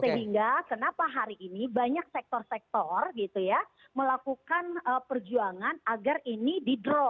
sehingga kenapa hari ini banyak sektor sektor gitu ya melakukan perjuangan agar ini di drop